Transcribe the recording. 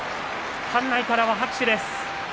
館内からは拍手です。